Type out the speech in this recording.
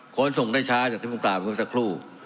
โคนส่งได้ช้าจากที่ปรุงกราศวิทยาลัยเมืองสักครู่